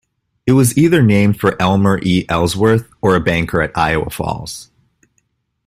It was either named for Elmer E. Ellsworth, or a banker at Iowa Falls.